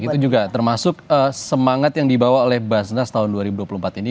itu juga termasuk semangat yang dibawa oleh basnas tahun dua ribu dua puluh empat ini